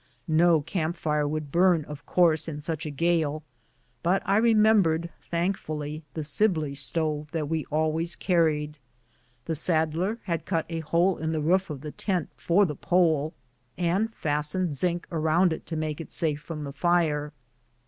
No camp fire would burn, of course, in such a gale, but I remembered thankfully the Sibley stove that we always carried. The saddler had cut a hole in the roof of the tent for the pipe, and fastened zinc around it to make it safe from fire.